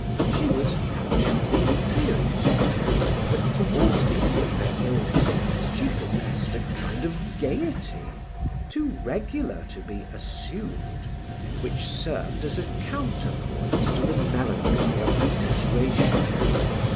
She was naturally serious, but towards the end of her illness she possessed a kind of gayety, too regular to be assumed, which served as a counterpoise to the melancholy of her situation.